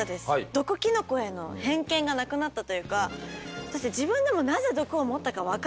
毒キノコへの偏見がなくなったというかだって自分でもなぜ毒を持ったか分からなかったって。